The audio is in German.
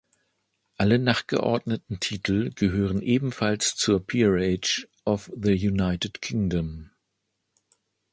Alle nachgeordneten Titel gehören ebenfalls zur Peerage of the United Kingdom.